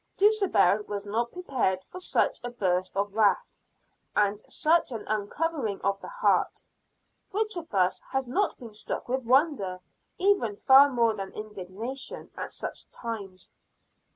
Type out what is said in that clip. Dulcibel was not prepared for such a burst of wrath, and such an uncovering of the heart. Which of us has not been struck with wonder, even far more than indignation, at such times?